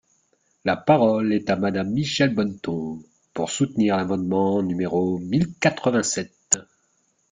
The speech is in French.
La parole est à Madame Michèle Bonneton, pour soutenir l’amendement numéro mille quatre-vingt-sept.